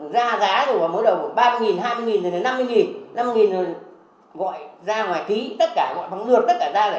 ra giá rồi mới đầu ba mươi hai mươi là năm mươi năm rồi gọi ra ngoài ký tất cả gọi bằng lượt tất cả